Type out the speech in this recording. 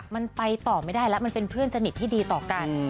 มันไปต่อไม่ได้แล้วมันเป็นเพื่อนสนิทที่ดีต่อกัน